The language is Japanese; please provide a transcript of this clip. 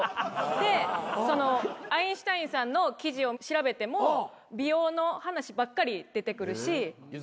でアインシュタインさんの記事を調べても美容の話ばっかり出てくるしゆずるさん。